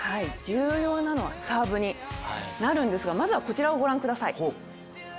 重要なのはサーブになるんですがまずはこちらをご覧ください。